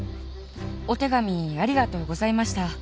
お手紙ありがとうございました。